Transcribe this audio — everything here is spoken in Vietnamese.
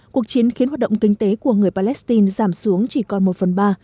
cuộc chiến khiến hoạt động kinh tế của người palestine giảm xuống chỉ còn một phần ba